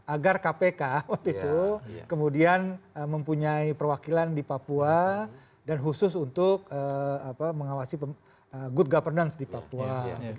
agar kpk waktu itu kemudian mempunyai perwakilan di papua dan khusus untuk mengawasi good governance di papua